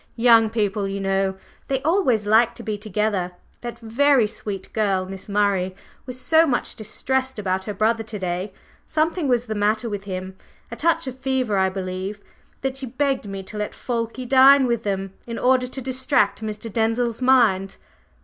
"Young people, you know! They always like to be together! That very sweet girl, Miss Murray, was so much distressed about her brother to day, something was the matter with him a touch of fever, I believe, that she begged me to let Fulke dine with them in order to distract Mr. Denzil's mind.